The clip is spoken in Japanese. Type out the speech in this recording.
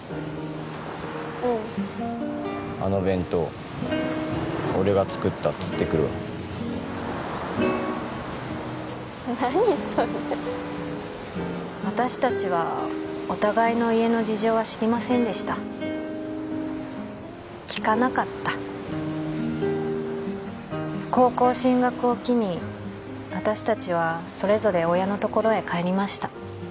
うんあの弁当俺が作ったっつってくるわ何それ私達はお互いの家の事情は知りませんでした聞かなかった高校進学を機に私達はそれぞれ親のところへ帰りました